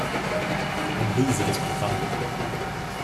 Ein riesiges Programm!